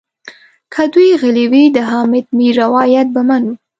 که دوی غلي وي د حامد میر روایت به منو.